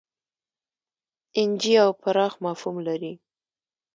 اېن جي او پراخ مفهوم لري.